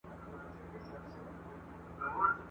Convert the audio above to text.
پوهه د خلکو ترمنځ نژدېوالی زیاتوي.